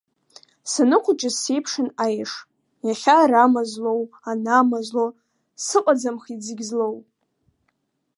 Саныхәыҷыз сеиԥшын аеш, иахьа ара Мазлоу, ана Мазлоу, сыҟаӡамхеит Зегьзлоу!